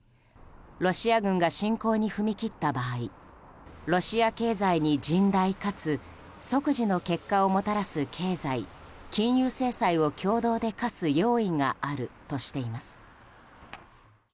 ロシア軍が侵攻に踏み切った場合ロシア経済に甚大かつ即時の結果をもたらす経済・金融制裁を共同で科す用意があるとしています。